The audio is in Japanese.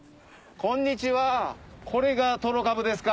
こんにちはこれがトロかぶですか？